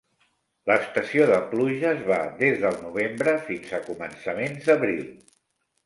L'estació de pluges va des del novembre fins a començaments d'abril.